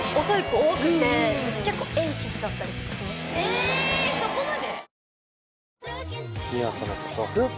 えぇそこまで？